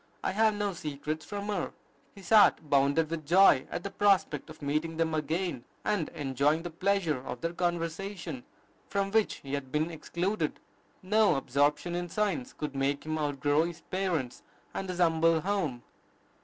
I have no secrets from her." His heart bounded with joy at the prospect of meeting them again, and "enjoying the pleasure of their conversation, from which he had been excluded." No absorption in science could make him outgrow his parents and his humble home.